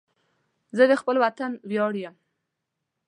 زه د خپل وطن ویاړ یم